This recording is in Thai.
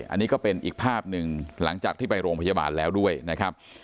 อันนี้ก็เป็นอีกภาพหนึ่งหลังจากที่ไปโรงพยาบาลแล้วด้วยนะครับ